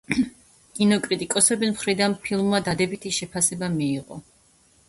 კინოკრიტიკოსების მხრიდან ფილმმა დადებითი შეფასება მიიღო.